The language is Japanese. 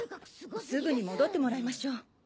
すぐに戻ってもらいましょう。